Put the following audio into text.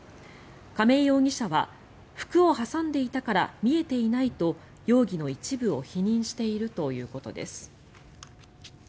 亀井容疑者は服を挟んでいたから見えていないと容疑の一部を否認しているということです。